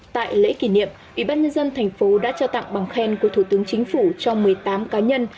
tại lễ kỷ niệm ủy ban nhân dân thành phố đã trao tặng bằng khen của thủ tướng chính phủ cho một mươi tám cá nhân